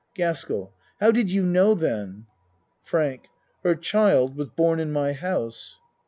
GASKELL How did you know then? FRANK Her child was born in my house.